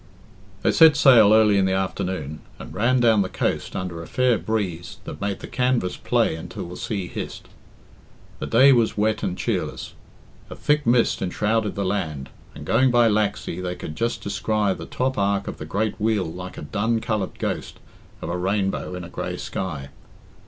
They set sail early in the afternoon, and ran down the coast under a fair breeze that made the canvas play until the sea hissed. The day was wet and cheerless; a thick mist enshrouded the land, and going by Laxey they could just descry the top arc of the great wheel like a dun coloured ghost of a rainbow in a grey sky.